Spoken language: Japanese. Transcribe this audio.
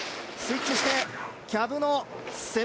スイッチして、キャブの７２０。